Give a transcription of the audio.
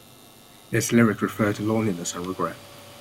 Its lyrics refer to loneliness and regret.